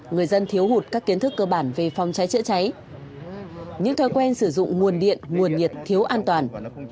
người dân thiếu hụt các kiến thức cơ bản về phòng cháy chữa cháy những thói quen sử dụng nguồn điện nguồn nhiệt thiếu an toàn